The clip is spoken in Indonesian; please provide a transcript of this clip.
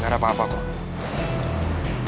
gak ada apa apa kok